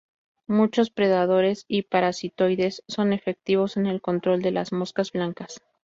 Muchos predadores y parasitoides son efectivos en el control de las moscas blancas.